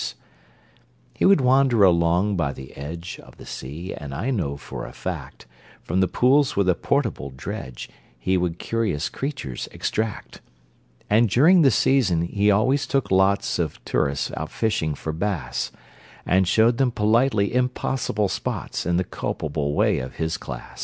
He would wander along by the edge Of the sea, and I know for a fact From the pools with a portable dredge He would curious creatures extract: And, during the season, he always took lots Of tourists out fishing for bass, And showed them politely impossible spots, In the culpable way of his class.